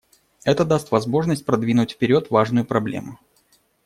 Это даст возможность продвинуть вперед важную проблему.